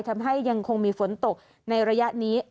ยังคงมีฝนตกในระยะนี้